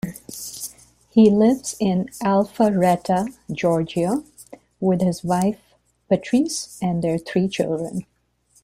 He lives in Alpharetta, Georgia, with his wife, Patrice, and their three children.